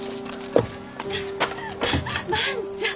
万ちゃん！